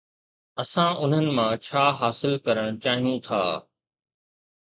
اسان انهن مان ڇا حاصل ڪرڻ چاهيون ٿا؟